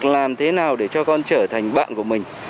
làm thế nào để cho con trở thành bạn của mình